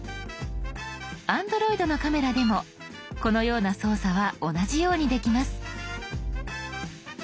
Ａｎｄｒｏｉｄのカメラでもこのような操作は同じようにできます。